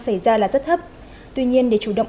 xảy ra là rất thấp tuy nhiên để chủ động